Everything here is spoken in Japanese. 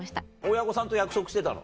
親御さんと約束してたの？